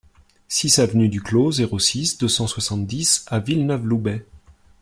six avenue du Clos, zéro six, deux cent soixante-dix à Villeneuve-Loubet